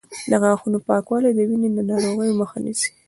د غاښونو پاکوالی د وینې ناروغیو مخه نیسي.